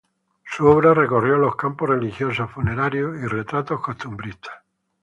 Su obra recorrió los campos religiosos, funerarios y retratos costumbristas.